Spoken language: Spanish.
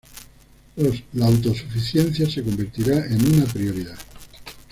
La autosuficiencia se convertirá en una prioridad.